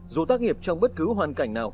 dù tác nghiệp trong bất cứ hoàn cảnh nào